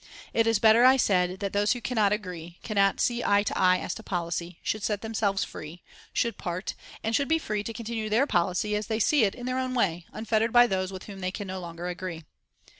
"It is better," I said, "that those who cannot agree, cannot see eye to eye as to policy, should set themselves free, should part, and should be free to continue their policy as they see it in their own way, unfettered by those with whom they can no longer agree."